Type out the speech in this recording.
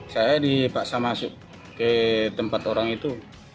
saya dipaksa masuk ke tempat orang itu